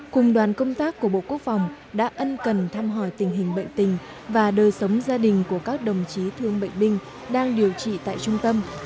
cùng đoàn công tác của bộ quốc phòng đã ân cần thăm hỏi tình hình bệnh tình và đời sống gia đình của các đồng chí thương bệnh binh đang điều trị tại trung tâm